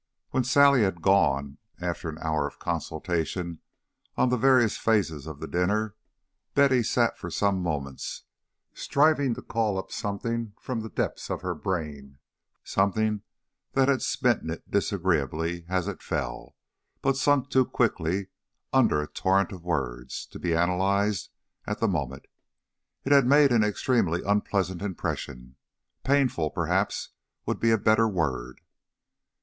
'" III When Sally had gone, after an hour of consultation on the various phases of the dinner, Betty sat for some moments striving to call up something from the depths of her brain, something that had smitten it disagreeably as it fell, but sunk too quickly, under a torrent of words, to be analyzed at the moment. It had made an extremely unpleasant impression; painful perhaps would be a better word.